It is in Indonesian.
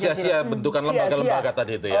sia sia bentukan lembaga lembaga tadi itu ya